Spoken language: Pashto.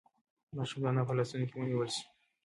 ماشوم د انا په لاسونو کې ونیول شو.